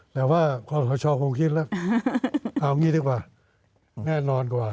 แต่ว่าของสวคงคิดว่าเอาอย่างนี้ดีกว่าแน่นอนกว่า